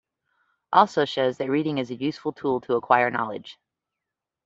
Also shows that reading is a useful tool to acquire knowledge.